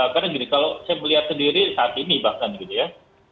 karena gini kalau saya melihat sendiri saat ini bahkan gitu ya